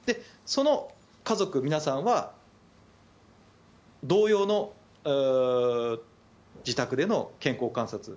その家族皆さんは同様の自宅での健康観察